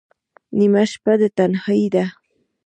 نیمه شپه ده تنهایی ده